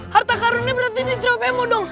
harta karunnya berarti di drobemo dong